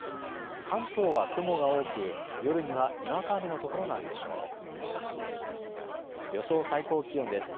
関東は雲が多く夜にはにわか雨の所があるでしょう。